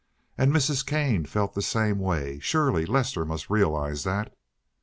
And Mrs. Kane felt the same way; surely Lester must realize that.